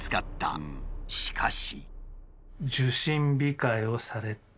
しかし。